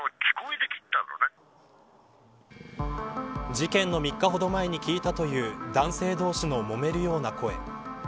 事件の３日ほど前に聞いたという男性同士のもめるような声。